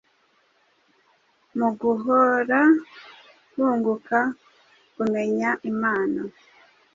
Mu guhora bunguka kumenya Imana,